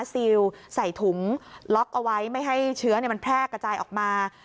ซิลใส่ถุงล็อกเอาไว้ไม่ให้เชื้อมันแพร่กระจายออกมา